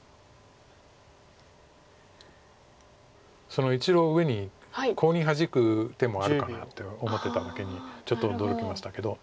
その１路上にコウにハジく手もあるかなって思ってただけにちょっと驚きましたけど。